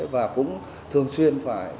và cũng thường xuyên phải